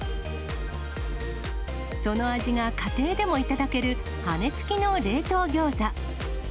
その味が家庭でも頂ける羽根つきの冷凍ギョーザ。